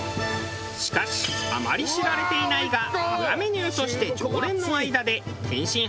しかしあまり知られていないが裏メニューとして常連の間で天津飯も大人気だという。